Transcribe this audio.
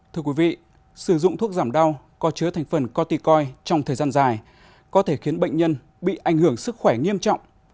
thưa quý vị sử dụng thuốc giảm đau có chứa thành phần corticoid trong thời gian dài có thể khiến bệnh nhân bị ảnh hưởng sức khỏe nghiêm trọng